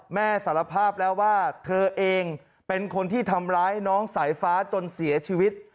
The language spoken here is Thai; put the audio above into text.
สารภาพแล้วว่าเธอเองเป็นคนที่ทำร้ายน้องสายฟ้าจนเสียชีวิต